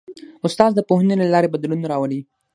استاد د پوهنې له لارې بدلون راولي.